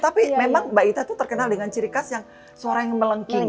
tapi memang mbak ita itu terkenal dengan ciri khas yang suara yang melengking